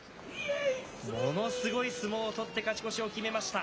ものすごい相撲を取って勝ち越しを決めました。